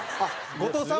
後藤さん